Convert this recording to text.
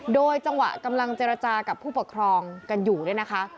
โดยจังหวะกำลังเจรจากับผู้ปกครองกันอยู่เนี่ยนะคะ